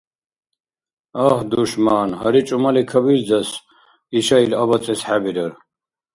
Агь, душман. Гьари чӀумали кабилзас, иша ил абацӀес хӀебирар